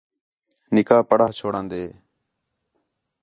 نِکاح پڑھا چھوڑان٘دے